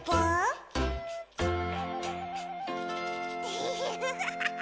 フフフフ。